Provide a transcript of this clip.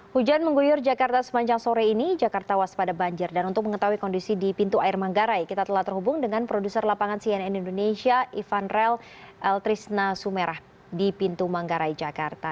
hujan mengguyur jakarta sepanjang sore ini jakarta waspada banjir dan untuk mengetahui kondisi di pintu air manggarai kita telah terhubung dengan produser lapangan cnn indonesia ivan rel eltrisna sumerah di pintu manggarai jakarta